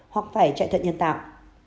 hoặc phải chạy thận nhân tạo